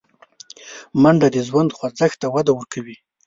منډه د ژوند خوځښت ته وده ورکوي